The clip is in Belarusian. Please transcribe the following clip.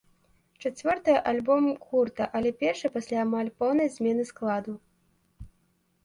Чацвёрты альбом гурта, але першы пасля амаль поўнай змены складу.